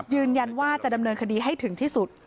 ยืนยันว่าจะดำเนินคดีให้ถึงที่สุด